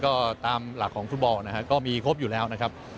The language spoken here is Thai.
ก็ตามหลักของฟุตบอลนะครับก็มีครบอยู่แล้วนะครับ